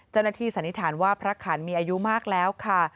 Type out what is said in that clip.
สันนิษฐานว่าพระขันมีอายุมากแล้วค่ะ